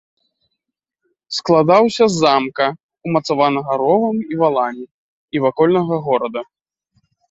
Складаўся з замка, умацаванага ровам і валамі, і вакольнага горада.